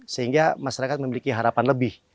sehingga masyarakat memiliki harapan lebih